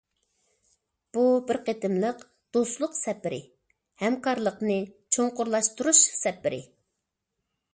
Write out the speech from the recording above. بۇ بىر قېتىملىق دوستلۇق سەپىرى، ھەمكارلىقنى چوڭقۇرلاشتۇرۇش سەپىرى.